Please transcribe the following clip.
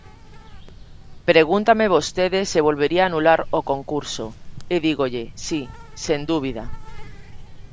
Pregúntame vostede se volvería anular o concurso, e dígolle: si, sen dúbida.